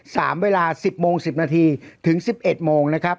เวลาสิบโมงสิบนาทีถึงสิบเอ็ดโมงนะครับ